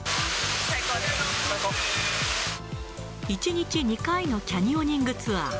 １日２回のキャニオニングツアー。